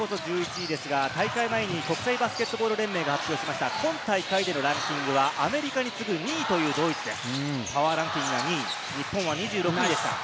世界ランキングこそ１１位ですが、大会前に国際バスケットボール連盟が発表した今大会でのランキングはアメリカに次ぐ２位というドイツです。